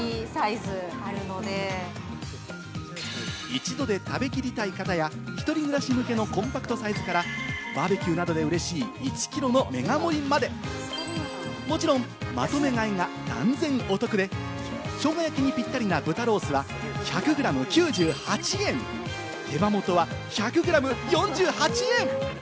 １度で食べきりたい方や、一人暮らし向けのコンパクトサイズから、バーベキューなどで嬉しい１キロのＭＥＧＡ盛りまでもちろん、まとめ買いが断然お得で、生姜焼きにぴったりな豚ロースは１００グラム９８円、手羽元は１００グラム４８円！